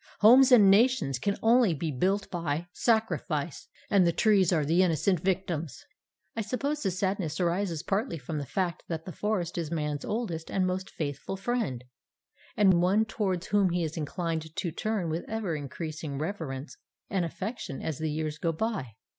Homes and nations can only be built by sacrifice, and the trees are the innocent victims. I suppose that the sadness arises partly from the fact that the forest is Man's oldest and most faithful friend, and one towards whom he is inclined to turn with ever increasing reverence and affection as the years go by.